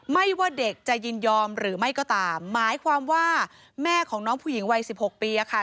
ไม่ว่าเด็กจะยินยอมหรือไม่ก็ตามหมายความว่าแม่ของน้องผู้หญิงวัยสิบหกปีอะค่ะ